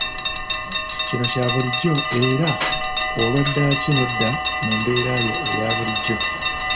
Kino kya bulijjo era olwa ddaaki nodda mu mbeera yo eya bulijjo.